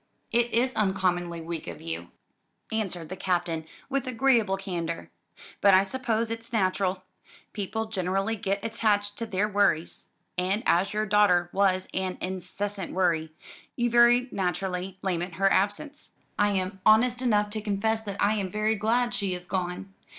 "It is uncommonly weak of you," answered the Captain with agreeable candour, "but I suppose it's natural. People generally get attached to their worries; and as your daughter was an incessant worry, you very naturally lament her absence. I am honest enough to confess that I am very glad she is gone.